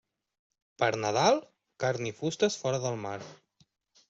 Per Nadal, carn i fustes fora del mar.